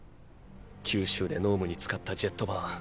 九州で脳無に使ったジェットバーン。